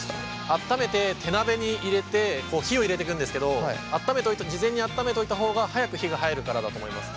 温めて手鍋に入れてこう火を入れてくんですけど事前に温めといた方が早く火が入るからだと思います。